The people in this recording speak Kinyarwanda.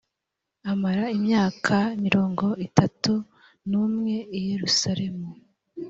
amara imyaka mirongo itatu n umwe i Yerusalemu